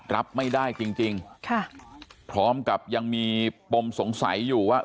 รับไม่ได้จริงจริงค่ะพร้อมกับยังมีปมสงสัยอยู่ว่า